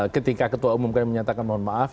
ketika ketua umum kami menyatakan mohon maaf